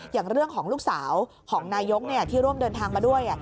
อย่างเรื่องของลูกสาวของนายกที่ร่วมเดินทางมาด้วย